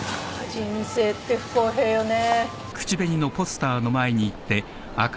人生って不公平よね。